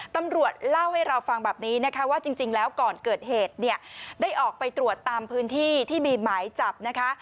ตำรวจเล่าให้เราฟังแบบนี้นะคะว่าจริงแล้วก่อนเกิดเหตุเนี่ยได้ออกไปตรวจตามพื้นที่ที่มีหมายจับนะคะ